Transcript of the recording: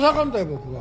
僕は。